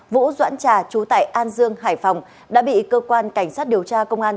vũ doãn trà trú tại an dương hải phòng đã bị cơ quan cảnh sát điều tra công an